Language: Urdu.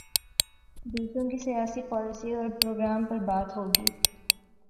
دوسروں کی سیاسی پالیسی اور پروگرام پر بات ہو گی۔